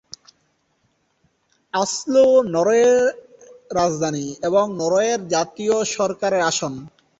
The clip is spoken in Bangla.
অসলো নরওয়ের রাজধানী এবং নরওয়ের জাতীয় সরকারের আসন।